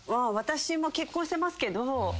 私も結婚してますけど。